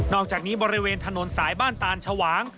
อกจากนี้บริเวณถนนสายบ้านตานชวาง